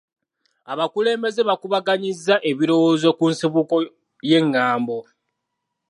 Abakulembeze baakubaganyizza ebirowoozo ku nsibuko y'engambo.